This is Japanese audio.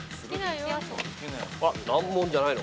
難問じゃないの？